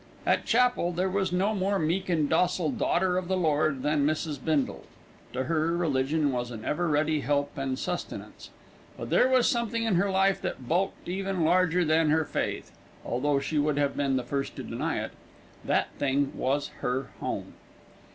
At chapel, there was no more meek and docile "Daughter of the Lord" than Mrs. Bindle. To her, religion was an ever ready help and sustenance; but there was something in her life that bulked even larger than her Faith, although she would have been the first to deny it. That thing was her Home.